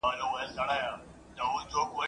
و خپلوانو ته ورکول کېدله